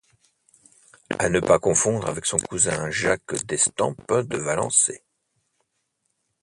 À ne pas confondre avec son cousin Jacques d'Estampes de Valençay.